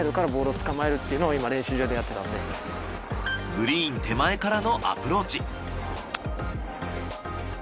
グリーン手前からのアプローチ。